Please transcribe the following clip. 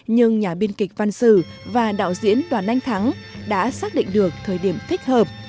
nhưng nhà biên kịch văn sử và đạo diễn đoàn anh thắng đã xác định được thời điểm thích hợp